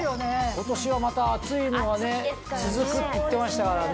今年はまた暑いのが続くって言ってましたからね。